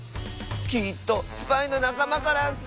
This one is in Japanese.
きっとスパイのなかまからッス！